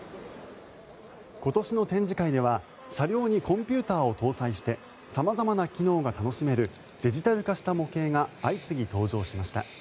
今年の展示会では車両にコンピューターを搭載して様々な機能が楽しめるデジタル化した模型が相次ぎ、登場しました。